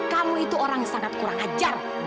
kamu itu orang yang sangat kurang ajar